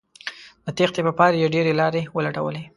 د تېښتې په پار یې ډیرې لارې ولټولې